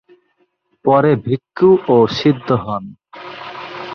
পরে ভিক্ষু ও সিদ্ধ হন।